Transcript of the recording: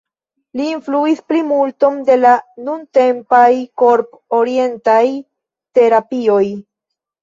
Li influis plimulton de la nuntempaj korp-orientitaj terapioj.